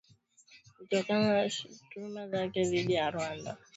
kutokana na shutuma zake dhidi ya Rwanda